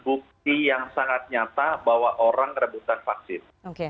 bukti yang sangat nyata bahwa orang rebutan vaksin